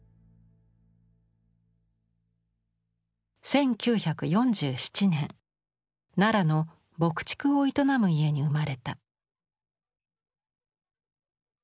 １９４７年奈良の牧畜を営む家に生まれた。